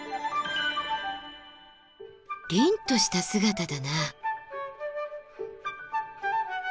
凜とした姿だな。